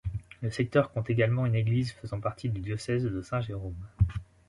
Le secteur compte également une église, faisant partie du diocèse de Saint-Jérôme.